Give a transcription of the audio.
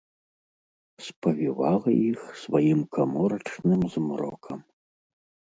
Спавівала іх сваім каморачным змрокам.